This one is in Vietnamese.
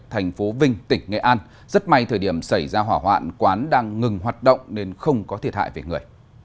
thành phố vinh tỉnh nghệ an rất may thời điểm xảy ra hỏa hoạn quán đang ngừng hoạt động nên không có thiệt hại về người